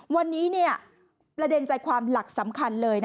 วันนี้ประเด็นใจความหลักสำคัญเลย